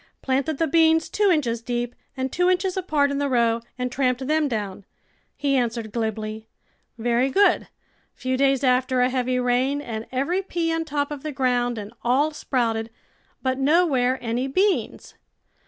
Planted the beans two inches deep and two inches apart in the row and tramped them down," he answered glibly. Very good! A few days after a heavy rain and every pea on top of the ground, and all sprouted, but nowhere any beans.